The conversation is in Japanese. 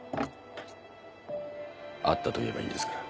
「あった」と言えばいいんですから。